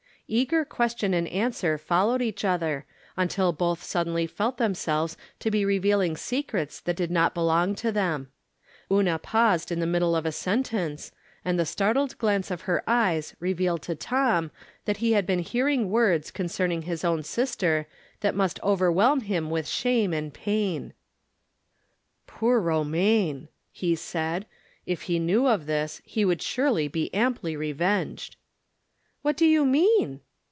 Eager question and answer followed each other, until both suddenly felt themselves to be revealing secrets that did not belong to them. Una paused in the middle of a sentence, and the startled glance of her eyes revealed to Tom that he had been hearing words, concerning his own sister, that must overwhelm him with shame and pain. " Poor Romaine !" he said. " If he knew of this, he would surely be amply revenged." "What do you mean?"